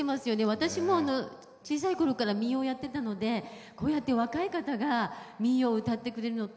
私も、小さいころから民謡をやってたのでこうやって若い方が民謡を歌ってくれるのって